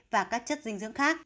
và các chất dinh dưỡng khác